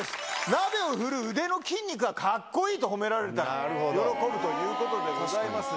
鍋を振る腕の筋肉がかっこいいと褒められたら喜ぶということでございます。